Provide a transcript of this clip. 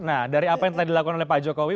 nah dari apa yang telah dilakukan oleh pak jokowi